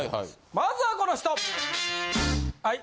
まずはこの人！